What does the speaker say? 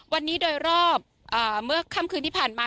วันนี้โดยรอบเมื่อค่ำคืนที่ผ่านมา